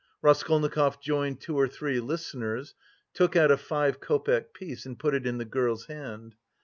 Raskolnikov joined two or three listeners, took out a five copeck piece and put it in the girl's hand.